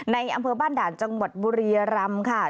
ในอำเภอบ้านด่านจังหวัดบุรียรำค่ะ